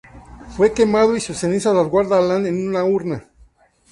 Fue quemado y sus cenizas las guarda Alan en una urna.